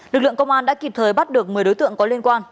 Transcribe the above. lực lượng công an đã kịp thời bắt được một mươi đối tượng có liên quan